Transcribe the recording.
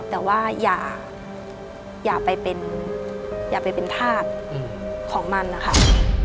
แต่ว่าอย่าไปเป็นธาติของมันนะคะ